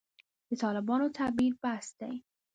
د طالبانو د تعبیر بحث دی.